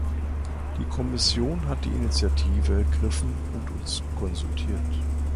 Die Kommission hat die Initiative ergriffen und uns konsultiert.